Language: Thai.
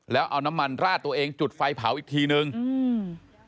แล้วเอาน้ำมันราดตัวเองจุดไฟเผาอีกทีนึงอืม